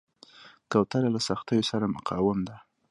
کوتره له سختیو سره مقاوم ده.